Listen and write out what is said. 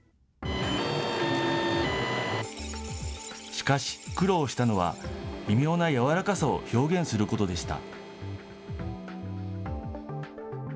しかし、苦労したのは、微妙なやわらかさを表現することでした。